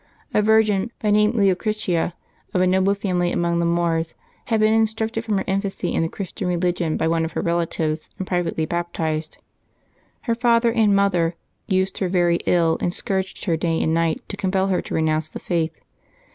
A virgin, by name Leo critia, of a noble family among the Moors, had been in structed from her infancy in the Christian religion by one of her relatives, and privately baptized. Her father and mother used her very ill, and scourged her day and night to compel her to renounce the Faith.